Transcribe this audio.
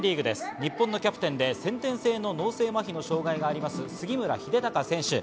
日本のキャプテンで先天性脳性マヒがあります、杉村英孝選手。